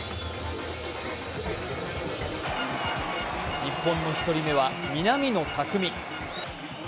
日本の１人目は南野拓実。